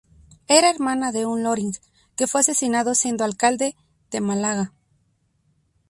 Era hermana de un Loring que fue asesinado siendo alcalde de Málaga.